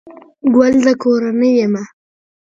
گل دکورنۍ يمه